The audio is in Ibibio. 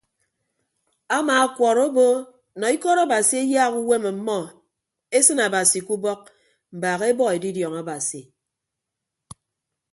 Amaakwọọrọ obo nọ ikọt abasi eyaak uwem ọmmọ esịn abasi ke ubọk mbaak ebọ edidiọñ abasi.